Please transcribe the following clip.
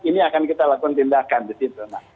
ini akan kita lakukan tindakan di situ